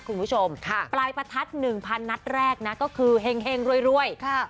คุณผู้ชมค่ะปลายประทัดหนึ่งพันนัตรกี่แรกนะก็คือเฮ่งเฮ่งเรื่อยเรื่อย